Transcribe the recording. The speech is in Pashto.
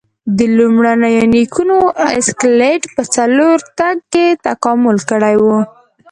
د لومړنیو نیکونو اسکلیټ په څلورو تګ کې تکامل کړی و.